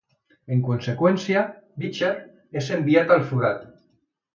En conseqüència, Beecher és enviat al forat.